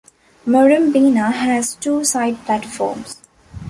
Murrumbeena has two side platforms.